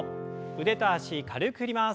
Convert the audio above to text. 腕と脚軽く振ります。